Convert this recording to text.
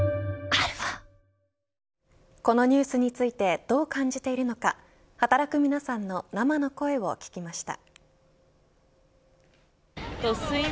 このニュースについてどう感じているのか働く皆さんの生の声を聞きました。